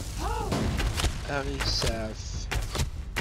Ad ɣ-iseɛef?